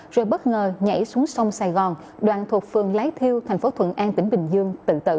rồi bất ngờ nhảy xuống sông sài gòn đoàn thuộc phường lái thiêu tp thuận an tỉnh bình dương